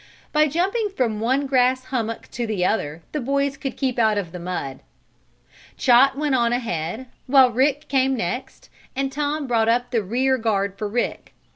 By jumping from one grass hummock to the other the boys could keep out of the mud. Chot went on ahead, while Rick came next, and Tom brought up the rear guard for Rick.